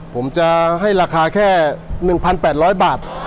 ผมจะให้ราคาแค่๑๘๐๐บาท